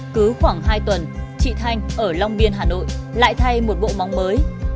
cứ khoảng hai tuần chị thanh ở long biên hà nội lại thay một bộ móng mới